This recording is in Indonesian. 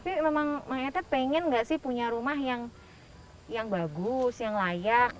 tapi memang bang etet pengen gak sih punya rumah yang bagus yang layak gitu